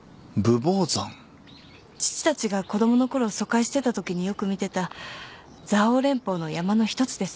父たちが子供のころ疎開していたときによく見てた蔵王連峰の山の１つです。